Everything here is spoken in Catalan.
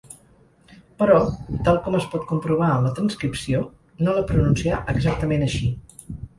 Però –tal com es pot comprovar en la transcripció– no la pronuncià exactament així.